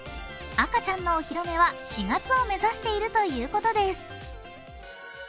赤ちゃんのお披露目は４月を目指しているということです。